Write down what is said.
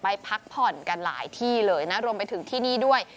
พักผ่อนกันหลายที่เลยนะรวมไปถึงที่นี่ด้วย